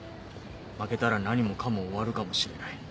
負けたら何もかも終わるかもしれない。